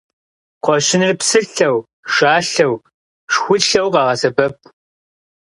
Кхъуэщыныр псылъэу, шалъэу, шхулъэу къагъэсэбэп.